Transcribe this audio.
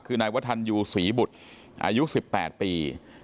คือนายวัฒนยูศรีบุตรอายุ๑๘ปี